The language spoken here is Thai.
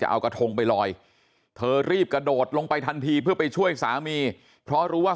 เอากระทงไปลอยเธอรีบกระโดดลงไปทันทีเพื่อไปช่วยสามีเพราะรู้ว่า